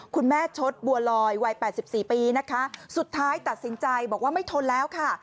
คุณแม่ชดบัวลอยวัย๘๔ปีนะคะสุดท้ายตัดสินใจบอกว่าไม่ทนแล้วค่ะ